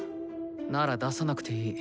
なら出さなくていい。